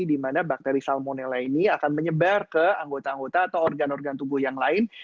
di mana bakteri salmonella ini akan menyebar ke anggota anggota atau organ organ tubuh yang lain